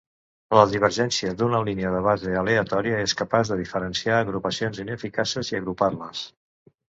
La divergència d'una línia de base aleatòria és capaç de diferenciar agrupacions ineficaces i agrupar-les.